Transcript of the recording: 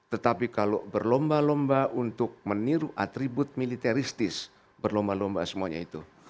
tetapi kalau berlomba lomba untuk meniru atribut militeristis berlomba lomba semuanya itu